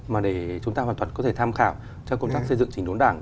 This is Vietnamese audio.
mà để chúng ta hoàn toàn có thể tham khảo cho công tác xây dựng trình đốn đảng